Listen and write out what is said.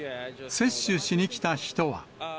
接種しに来た人は。